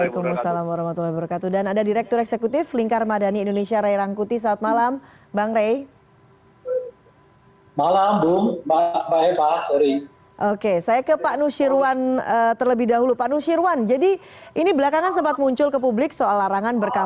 ketua dpp pdi perjuangan